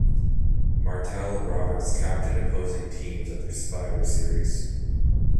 Martel and Roberts captained opposing teams at the Survivor Series.